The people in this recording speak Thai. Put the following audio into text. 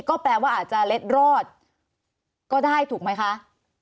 ก็แปลว่าอาจจะเล็ดรอดก็ได้ถูกไหมคะ